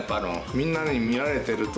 みんなに見られると？